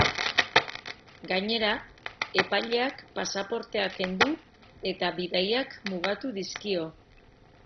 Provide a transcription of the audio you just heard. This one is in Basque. Gainera, epaileak pasaportea kendu eta bidaiak mugatu dizkio.